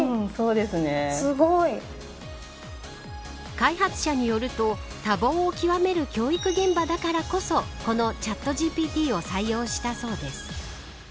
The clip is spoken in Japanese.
開発者によると多忙を極める教育現場だからこそこのチャットＧＰＴを採用したそうです。